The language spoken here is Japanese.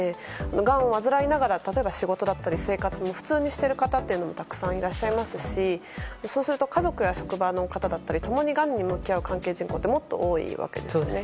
がんを患いながら例えば仕事や生活を普通にしている方もたくさんいらっしゃいますしそうすると家族や職場の方々だったり共にがんに向き合う関係人口ってもっと多いわけですよね。